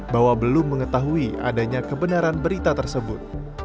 bahwa belum mengetahui adanya kebenaran berita tersebut